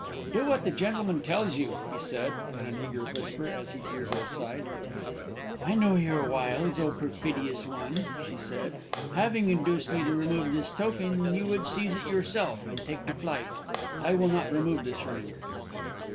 "Do what the gentleman tells you," he said, in an eager whisper, as he drew her aside. "I know your wiles, O perfidious one," she said. "Having induced me to remove this token, you would seize it yourself, and take to flight! I will not remove this ring!"